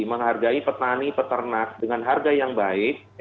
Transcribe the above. menghargai petani peternak dengan harga yang baik